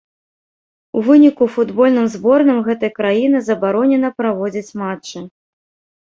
У выніку футбольным зборным гэтай краіны забаронена праводзіць матчы.